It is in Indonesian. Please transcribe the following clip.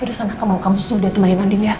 ya udah sana aku mau kamu sudah temanin andin ya